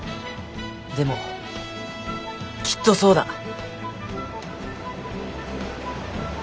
でもきっとそうだ。